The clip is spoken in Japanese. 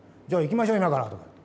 「じゃあ行きましょう今から」。